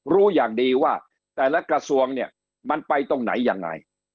รู้อย่างดีว่าแต่ละกระทรวงเนี่ยมันไปตรงไหนยังไง